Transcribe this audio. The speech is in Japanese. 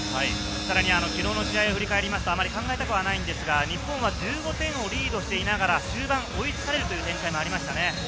さらに昨日の試合を振り返ると、あまり考えたくはないんですが、日本は１５点をリードしていながら終盤に追いつかれる展開もありましたね。